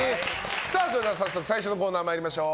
それでは早速最初のコーナー参りましょう。